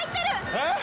えっ！？